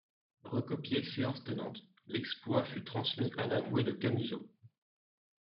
Recopié séance tenante, l'exploit fut transmis à l'avoué de Camusot.